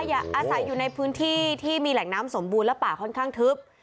อาศัยอยู่ในพื้นที่ที่มีแหล่งน้ำสมบูรณและป่าค่อนข้างทึบ